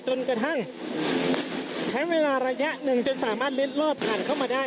จนกระทั่งใช้เวลาระยะหนึ่งจนสามารถเล็ดลอดผ่านเข้ามาได้